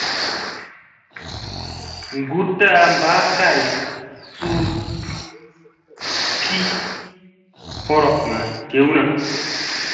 Ngutda Mba Kay Suu Pi Horokŋa Jewna.